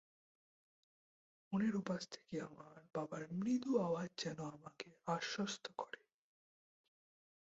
ফোনের ওপাশ থেকে আমার বাবার মৃদু আওয়াজ যেন আমাকে আশ্বস্ত করে।